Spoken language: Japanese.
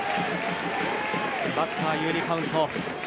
バッター有利カウント。